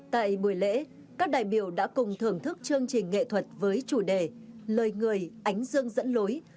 tại buổi lễ các đại biểu đã cùng thưởng thức chương trình nghệ thuật với chủ đề lời người ánh dương dẫn lối